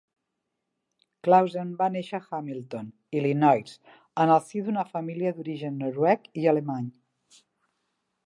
Clausen va néixer a Hamilton, Illinois, en el si d'una família d'origen noruec i alemany.